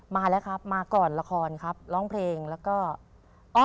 มาแล้วครับมาก่อนละครครับร้องเพลงแล้วก็